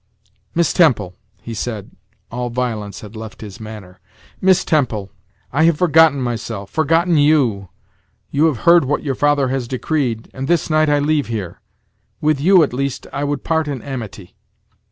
"Miss Temple," he said all violence had left his manner "Miss Temple I have forgotten myself forgotten you. You have heard what your father has decreed, and this night I leave here. With you, at least, I would part in amity."